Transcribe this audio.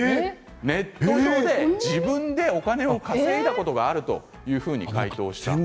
ネット上で自分でお金を稼いだことがあるというふうに回答したんです。